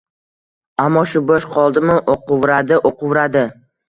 Аmmo… shu boʼsh qoldimi, oʼquvradi-oʼquvradi…